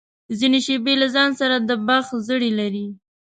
ځینې شېبې له ځان سره د بخت زړي لري.